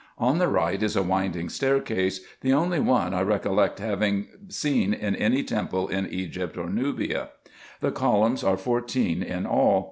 On the right is a winding staircase, the only one I recollect having seen in any temple in Egypt or Nubia. The columns are fourteen in all.